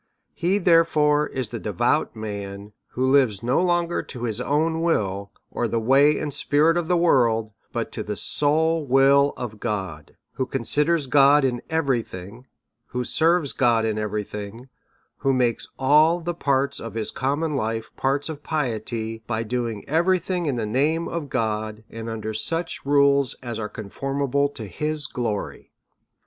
He, therefore, is the devout man, who lives no longer to his own will, or the way and spirit of the world, but to the sole will of God ; who considers God in every thing, who serves God in every thing, who makes all the parts of his common life parts of piety, by doing every thing in the name of God, and under such rules as are conformable to his glory.